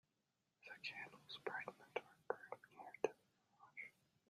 The candles brightened the dark room near to the garage.